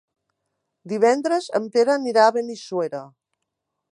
Divendres en Pere anirà a Benissuera.